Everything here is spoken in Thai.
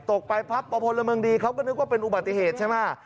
ตกไปพับประพลเมืองดีเขาก็นึกว่าเป็นอุบัติเหตุใช่ไหม